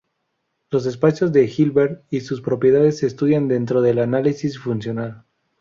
Los espacios de Hilbert y sus propiedades se estudian dentro del análisis funcional.